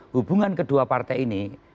hubungan kedua partai ini